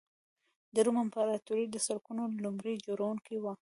د روم امپراتوري د سړکونو لومړي جوړوونکې وه.